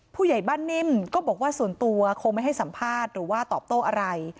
ผู้ใหญ่บ้านนิ่มก็บอกว่าส่วนตัวคงไม่ให้สัมภาษณ์หรือว่าตอบโต้อะไร